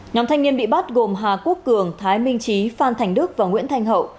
nhóm thanh niên bị bắt gồm hà quốc cường thái minh trí phan thành đức và nguyễn thanh hậu